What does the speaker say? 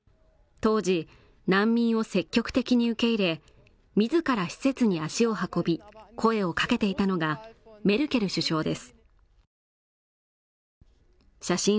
当時、難民を積極的に受け入れ、自ら施設に足を運び声をかけていたのがメルケル首相です。